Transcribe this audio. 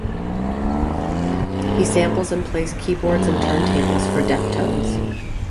He samples and plays keyboards and turntables for Deftones.